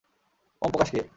ওম Prakash কে?